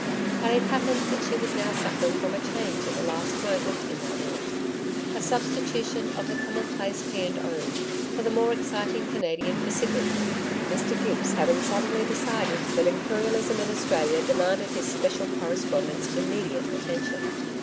But it happened that she was now suffering from a change at the last moment in that route a substitution of the commplace P. & O. for the more exciting Canadian Pacific, Mr Gibbs having suddenly decided that Imperialism in Australia demanded his special correspondent's immediate attention.